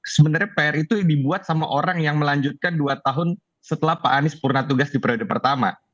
sebenarnya pr itu dibuat sama orang yang melanjutkan dua tahun setelah pak anies purna tugas di periode pertama